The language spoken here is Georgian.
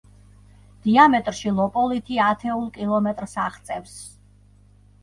დიამეტრში ლოპოლითი ათეულ კილომეტრს აღწევს.